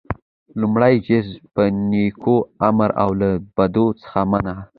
لومړی جز - په نيکيو امر او له بديو څخه منع: